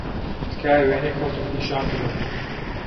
تکایە وێنەی خۆتم پیشان بدە.